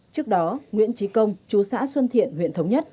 trước đó nguyễn trí công chú xã xuân thiện huyện thống nhất